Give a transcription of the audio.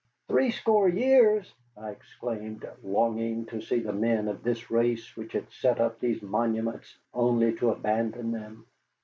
"Threescore years!" I exclaimed, longing to see the men of this race which had set up these monuments only to abandon them.